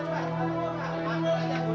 udah sempat sempat